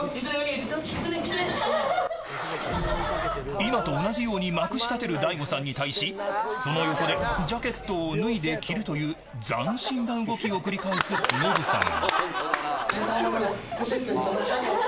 今と同じようにまくしたてる大悟さんに対しその横でジャケットを脱いで着るという斬新な動きを繰り返すノブさん。